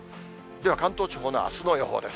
では関東地方のあすの予報です。